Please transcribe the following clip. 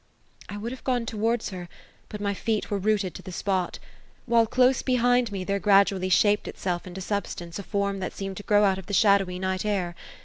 '' I would have gone towards her. but my feet were rooted to the spot ; while, close behind me, there gradually shaped itself into substance a form that seemed to grow out of the shadowy night air.